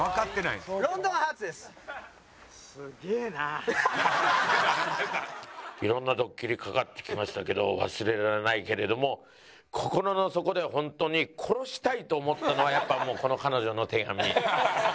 いろんなドッキリ掛かってきましたけど忘れられないけれども心の底で本当に殺したいと思ったのはやっぱこの彼女の手紙。